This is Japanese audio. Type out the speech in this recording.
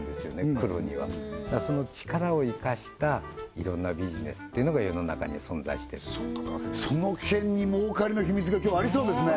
黒にはだからその力を生かしたいろんなビジネスってのが世の中には存在してるその辺に儲かりの秘密が今日はありそうですね